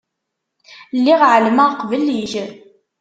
Lliɣ εelmeɣ qbel-ik.